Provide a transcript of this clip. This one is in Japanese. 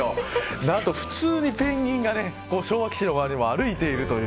何と、普通にペンギンが昭和基地の周りを歩いているという。